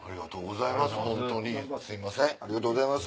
ありがとうございます